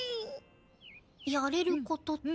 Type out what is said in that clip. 「やれること」って？